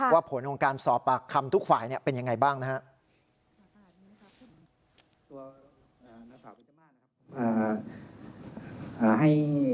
ผลของการสอบปากคำทุกฝ่ายเป็นยังไงบ้างนะครับ